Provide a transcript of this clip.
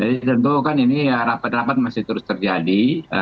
jadi tentu kan ini rapat rapat masih terus terjadi